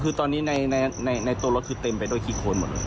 คือตอนนี้ในตัวรถคือเต็มไปด้วยขี้โคนหมดเลย